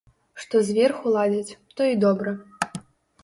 Што зверху ладзяць, то і добра.